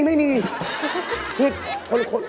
เพราะเราแปลง